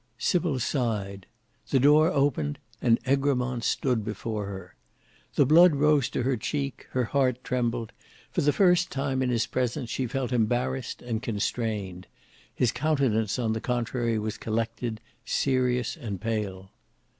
Sybil sighed: the door opened and Egremont stood before her. The blood rose to her cheek, her heart trembled; for the first time in his presence she felt embarrassed and constrained. His countenance on the contrary was collected; serious and pale.